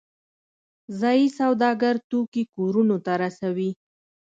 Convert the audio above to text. ځایی سوداګر توکي کورونو ته رسوي